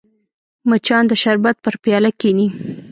مچان د شربت پر پیاله کښېني